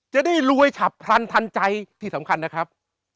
จะได้รวยฉับพลันทันใจที่สำคัญนะครับ